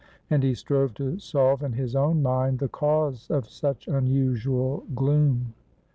" And he strove to solve in his own mind the cause of such unusual gloom.